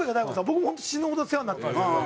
僕も本当死ぬほど世話になってますから。